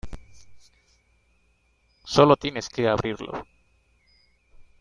solo tienes que abrirlo.